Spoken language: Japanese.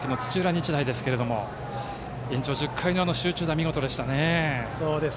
日大ですが延長１０回の集中打は見事でしたね。